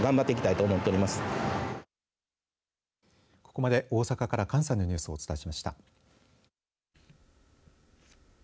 ここまで大阪から関西のニュースをお伝えしました。